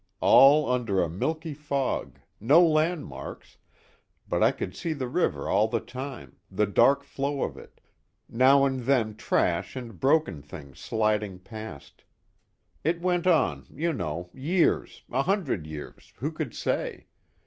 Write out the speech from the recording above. All under a milky fog, no landmarks, but I could see the river all the time, the dark flow of it, now and then trash and broken things sliding past. It went on, you know, years, a hundred years, who could say?